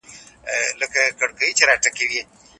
د ښځو پر وړاندي تاوتریخوالی څنګه مخنیوی کیږي؟